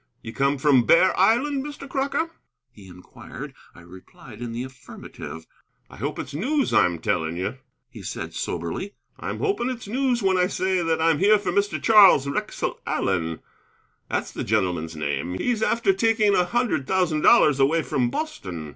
"Ye come from Bear Island, Mr. Crocker?" he inquired. I replied in the affirmative. "I hope it's news I'm telling you," he said soberly; "I'm hoping it's news when I say that I'm here for Mr. Charles Wrexell Allen, that's the gentleman's name. He's after taking a hundred thousand dollars away from Boston."